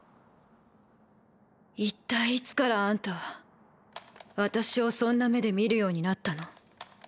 一体いつからあんたは私をそんな目で見るようになったの？